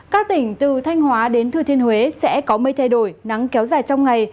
các tỉnh từ thanh hóa đến thừa thiên huế sẽ có mây thay đổi nắng kéo dài trong ngày